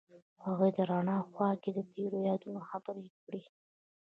هغوی د رڼا په خوا کې تیرو یادونو خبرې کړې.